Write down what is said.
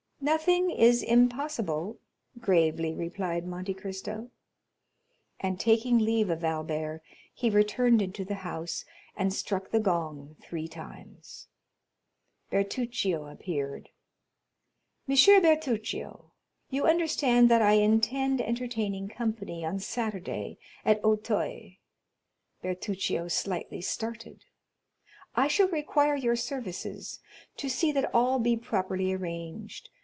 "Nothing is impossible," gravely replied Monte Cristo; and taking leave of Albert, he returned into the house, and struck the gong three times. Bertuccio appeared. "Monsieur Bertuccio, you understand that I intend entertaining company on Saturday at Auteuil." Bertuccio slightly started. "I shall require your services to see that all be properly arranged.